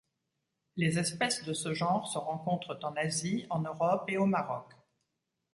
Les espèces de ce genre se rencontrent en Asie, en Europe et au Maroc.